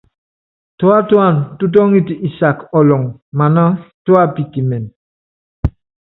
Tuátúan tútɔ́ŋɛt isak ɔlɔŋ maná tuá pitimɛn.